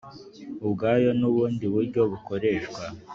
ubwayo n ubundi buryo bukoreshwa